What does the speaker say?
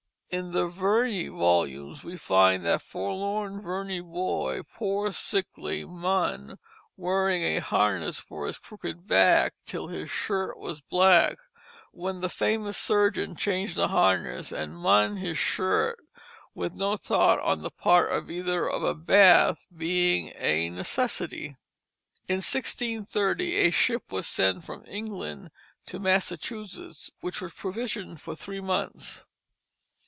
In the Verney volumes we find that forlorn Verney boy, poor sickly "Mun," wearing a harness for his crooked back till his shirt was black, when the famous surgeon changed the harness, and Mun his shirt, with no thought on the part of either of a bath being a necessity. [Illustration: Go Cart] In 1630 a ship was sent from England to Massachusetts which was provisioned for three months.